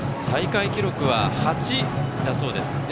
大会記録は８だそうです。